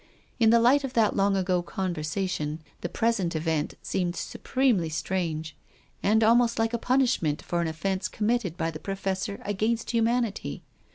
In the light of that long ago conversation the present event seemed supremely strange, and almost like a punishment for an offence committed by the Professor against humanity.